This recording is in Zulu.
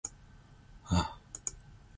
Yena usehlale iminyaka emibili lapha edolobheni.